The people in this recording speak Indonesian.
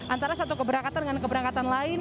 antara satu keberangkatan dengan keberangkatan lain